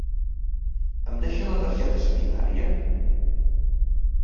Em deixa la targeta sanitària?